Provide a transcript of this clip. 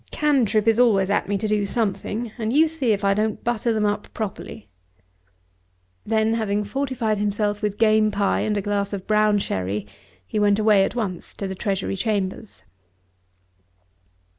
Cantrip is always at me to do something, and you see if I don't butter them up properly." Then having fortified himself with game pie and a glass of brown sherry he went away at once to the Treasury Chambers.